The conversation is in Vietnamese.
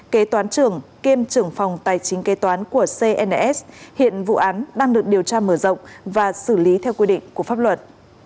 kế toán trưởng kiêm trưởng phòng tài chính kế toán của cns hiện vụ án đang được điều tra mở rộng và xử lý theo quy định của pháp luật